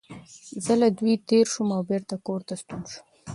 زه له دوی تېر شوم او بېرته کور ته ستون شوم.